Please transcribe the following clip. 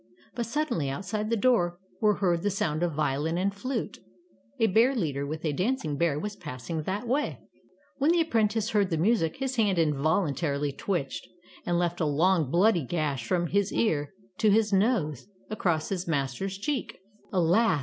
But suddenly, outside the door were heard the sound of violin and flute. A 8o Tales of Modern Germany bear leader with a dancing bear was passing that way. When the apprentice heard the music, his hand involuntarily twitched, and left a long, bloody gash from his ear to his nose, across his master's cheek. Alas!